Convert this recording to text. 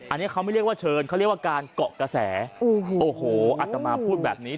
อันนี้เขาไม่เรียกว่าเชิญเขาเรียกว่าการเกาะกระแสโอ้โหอัตมาพูดแบบนี้